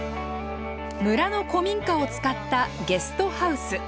村の古民家を使ったゲストハウス。